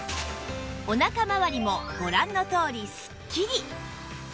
おなかまわりもご覧のとおりスッキリ！